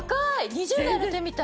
２０代の手みたい。